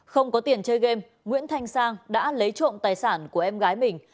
không có tiền chơi game nguyễn thanh sang đã lấy trộm tài sản của em gái mình